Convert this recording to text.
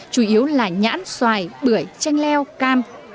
chủ yếu là nhãn xoài bưởi chanh leo cam